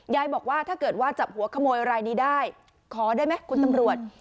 บอกว่าถ้าเกิดว่าจับหัวขโมยรายนี้ได้ขอได้ไหมคุณตำรวจ